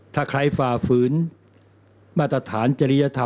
ถ้าใครฝ่าฝืนมาตรฐานจริยธรรม